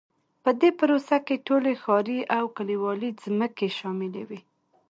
په دې پروسه کې ټولې ښاري او کلیوالي ځمکې شاملې وې.